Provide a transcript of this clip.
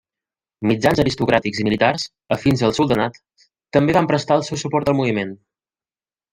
Mitjans aristocràtics i militars afins al soldanat també van prestar el seu suport al moviment.